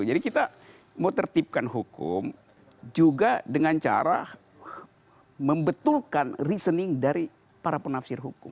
jadi kita mau tertipkan hukum juga dengan cara membetulkan reasoning dari para penafsir hukum